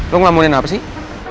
lo ngelamunin apa sih